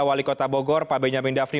wali kota bogor pak benjamin dhafni